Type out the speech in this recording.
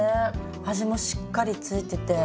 味もしっかりついてて。